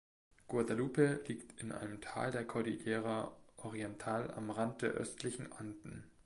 Guadalupe liegt in einem Tal der Cordillera Oriental am Rand der östlichen Anden.